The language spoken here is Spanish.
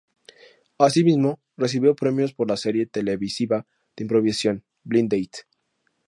Asimismo, recibió premios por la serie televisiva de improvisación "Blind Date".